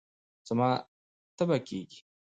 زما تبه کېږي